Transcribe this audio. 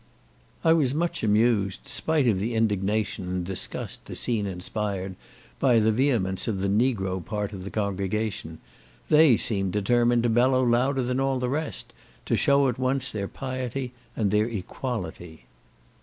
I was much amused, spite of the indignation and disgust the scene inspired, by the vehemence of the negro part of the congregation; they seemed determined to bellow louder than all the rest, to shew at once their piety and their equality.